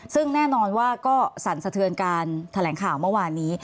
ซึ่งแน่นอนว่าก็สั่นสะเทือนการแถลงข่าวเมื่อวานนี้